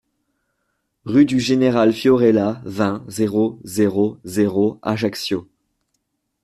Rue du Général Fiorella, vingt, zéro zéro zéro Ajaccio